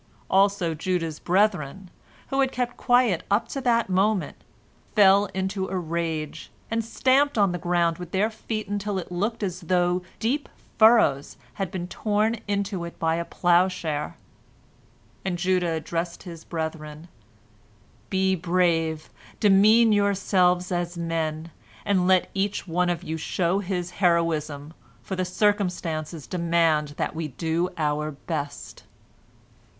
Also Judah's brethren, who had kept quiet up to that moment, fell into a rage, and stamped on the ground with their feet until it looked as though deep furrows had been torn in it by a ploughshare. And Judah addressed his brethren, "Be brave, demean yourselves as men, and let each one of you show his heroism, for the circumstances demand that we do our best."